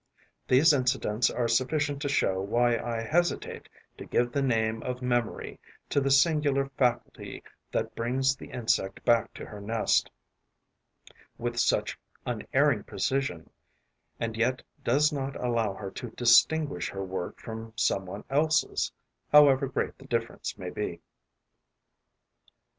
These incidents are sufficient to show why I hesitate to give the name of memory to the singular faculty that brings the insect back to her nest with such unerring precision and yet does not allow her to distinguish her work from some one else's, however great the difference may be.